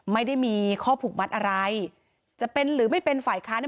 ไม่ได้มีข้อผูกมัดอะไรจะเป็นหรือไม่เป็นฝ่ายค้าน